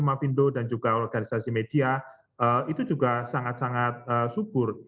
mavindo dan juga organisasi media itu juga sangat sangat subur